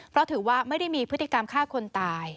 เพราะถือว่าไม่ได้มีพฤติกรรมฆ่าคนตาย